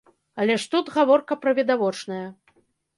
Але ж тут гаворка пра відавочнае.